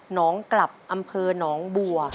น้องกลับอำเภอหนองบัว